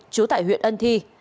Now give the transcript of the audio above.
chú tại huyện ân thi